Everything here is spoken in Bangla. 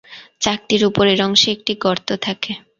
চাকতির উপরের অংশে একটি গর্ত থাকে।